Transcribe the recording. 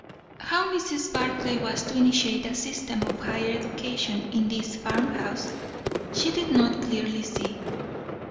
How Mrs. Barclay was to initiate a system of higher education in this farmhouse, she did not clearly see.